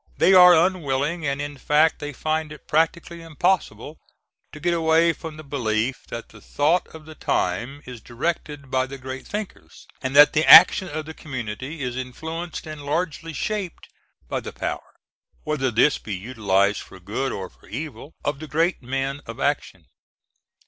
They are unwilling, and in fact they find it practically impossible, to get away from the belief that the thought of the time is directed by the great thinkers, and that the action of the community is influenced and largely shaped by the power, whether this be utilized for good or for evil, of the great men of action.